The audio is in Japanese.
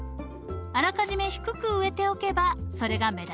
あらかじめ低く植えておけばそれが目立ちません。